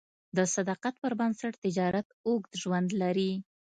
د صداقت پر بنسټ تجارت اوږد ژوند لري.